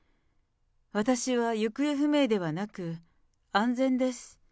私は行方不明ではなく、安全です。